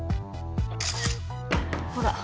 ほら。